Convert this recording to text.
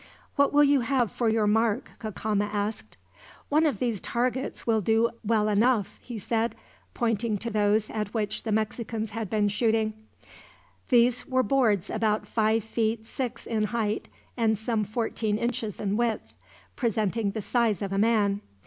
"What will you have for your mark," Cacama asked. "One of these targets will do well enough," he said, pointing to those at which the Mexicans had been shooting. These were boards about five feet six in height, and some fourteen inches in width, presenting the size of a man.